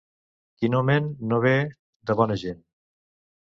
Qui no ment no ve de bona gent.